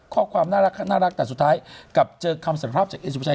ข้อความน่ารักแต่สุดท้ายกลับเจอคำสารภาพจากเอสุภาชัย